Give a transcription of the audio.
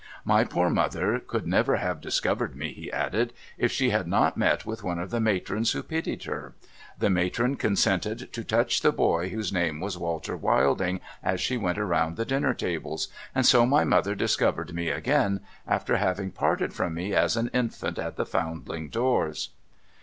' My poor mother could never have discovered me,' he added, ' if she had not met with one of the matrons who pitied her. The matron consented to touch the boy whose name was " Walter \\'ilding " as she went round the dinner tables — and so my mother discovered me again, after having parted from me as an infant at the Found ling doors.'